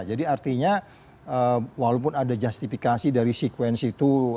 jadi artinya walaupun ada justifikasi dari sekuensi itu